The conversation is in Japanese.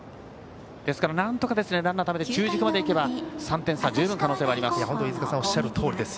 ですからなんとかランナーをためて中軸まで行けば３点差、十分に可能性はあります。